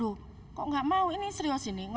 loh kok nggak mau ini serius ini